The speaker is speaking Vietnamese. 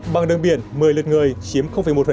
bàn đường biển một mươi lượt người chiếm một